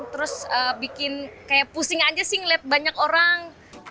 terus bikin kayak pusing aja sih ngeliat banyak orang